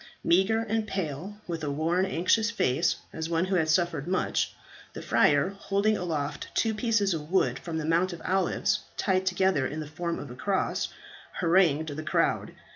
Meagre and pale, with a worn, anxious face as one who had suffered much, the friar, holding aloft two pieces of wood from the Mount of Olives tied together in the form of a cross, harangued the crowd.